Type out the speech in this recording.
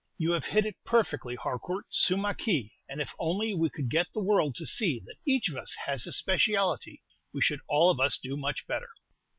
"You have hit it perfectly, Harcourt; suum caique; and if only we could get the world to see that each of us has his speciality, we should all of us do much better."